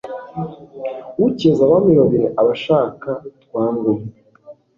ucyeza abami babiri aba ashaka twange umwe